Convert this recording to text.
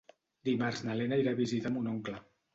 Dimarts na Lena irà a visitar mon oncle.